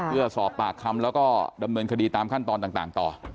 เพื่อสอบปากคำแล้วก็ดำเนินคดีตามขั้นตอนต่างต่อ